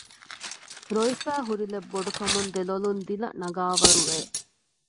ރޮވިފައި ހުރިލެތް ބޮޑު ކަމުން ދެ ލޮލުން ދިލަ ނަގާވަރު ވެ